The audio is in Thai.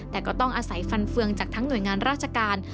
แต่ก็ต้องอาศัยฟันเฟืองจากทั้งหน่วยงานราชการ